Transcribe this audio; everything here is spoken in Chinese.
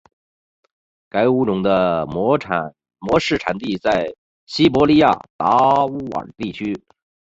该物种的模式产地在西伯利亚达乌尔地区。